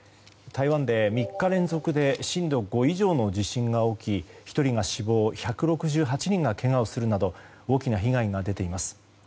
台湾で、３日連続で震度５以上の地震が起き１人が死亡１６８人がけがをするなど大きな被害が出ています。